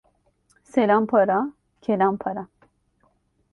Selam para, kelam para.